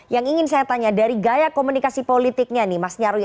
yang ingin saya tanya dari gaya komunikasi politiknya nih mas nyarwi